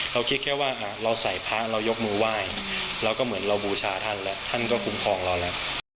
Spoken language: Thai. เราคิดแค่ว่าเราใส่พระเรายกมือไหว้เราก็เหมือนเราบูชาท่านแล้วท่านก็คุ้มครองเราแล้ว